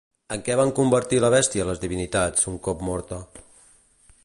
En què van convertir la bèstia les divinitats, un cop morta?